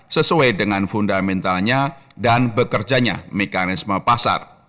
sesuai dengan fundamentalnya dan bekerjanya mekanisme pasar